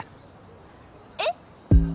えっ？